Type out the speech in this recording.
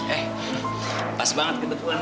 eh pas banget kebetulan